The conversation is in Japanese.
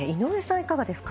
いかがですか？